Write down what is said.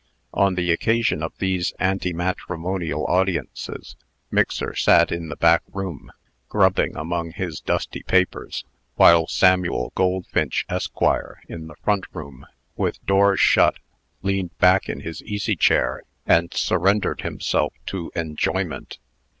On the occasion of these antimatrimonial audiences, Mixer sat in the back room, grubbing among his dusty papers; while Samuel Goldfinch, Esq., in the front room, with shut doors, leaned back in his easy chair and surrendered himself to enjoyment.